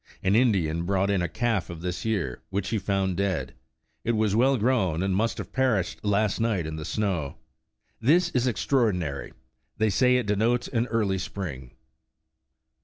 An Indian brought in a calf of this year, which he found dead. It was well grown, and must have perished last night in the snow. This is extraordinary; they say it denotes an early spring.